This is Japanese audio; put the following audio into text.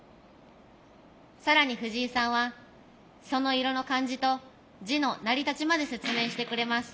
更に藤井さんはその色の漢字と字の成り立ちまで説明してくれます。